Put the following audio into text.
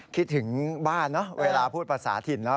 คิดถึงบ้านเนอะเวลาพูดภาษาถิ่นเนาะ